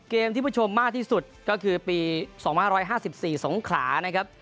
เกมที่ผู้ชมมากที่สุดก็คือปี๒๕๕๔สงขลานะครับ